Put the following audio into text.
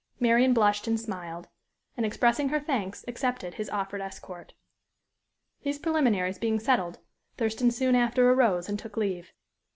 Marian blushed and smiled, and expressing her thanks, accepted his offered escort. These preliminaries being settled, Thurston soon after arose and took leave.